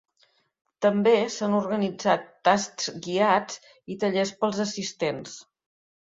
També s’han organitzat tasts guiats i tallers per als assistents.